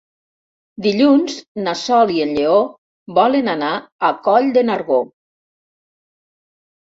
Dilluns na Sol i en Lleó volen anar a Coll de Nargó.